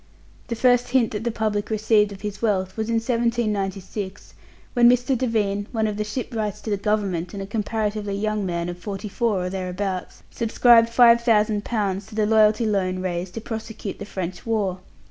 The first hint that the public received of his wealth was in 1796, when Mr. Devine, one of the shipwrights to the Government, and a comparatively young man of forty four or thereabouts, subscribed five thousand pounds to the Loyalty Loan raised to prosecute the French war.